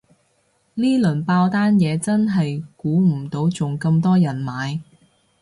呢輪爆單嘢真係估唔到仲咁多人買